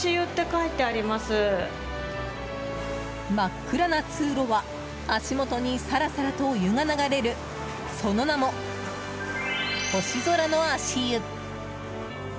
真っ暗な通路は足元にさらさらとお湯が流れるその名も、星空の足湯。